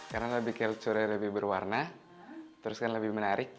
karena lebih kelcurnya lebih berwarna terus kan lebih menarik